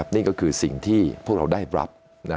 นี่ก็คือสิ่งที่พวกเราได้รับ